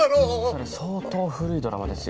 それ相当古いドラマですよ。